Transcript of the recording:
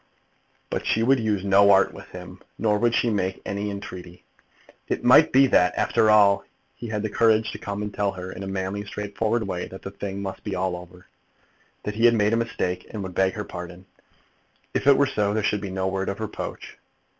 But she would use no art with him; nor would she make any entreaty. It might be that, after all, he had the courage to come and tell her, in a manly, straightforward way, that the thing must be all over, that he had made a mistake, and would beg her pardon. If it were so, there should be no word of reproach.